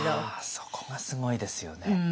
そこがすごいですよね。